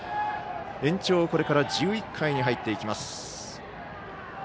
延長１１回に入っていきます。